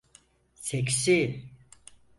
Seksi.